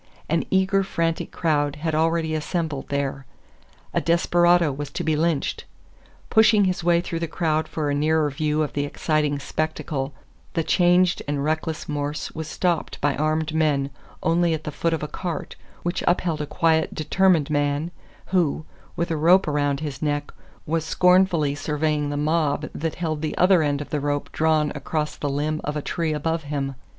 An eager, frantic crowd had already assembled there a desperado was to be lynched! Pushing his way through the crowd for a nearer view of the exciting spectacle, the changed and reckless Morse was stopped by armed men only at the foot of a cart, which upheld a quiet, determined man, who, with a rope around his neck, was scornfully surveying the mob, that held the other end of the rope drawn across the limb of a tree above him.